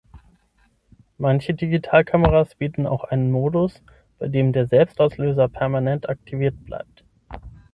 Manche Digitalkameras bieten auch einen Modus, bei dem der Selbstauslöser permanent aktiviert bleibt.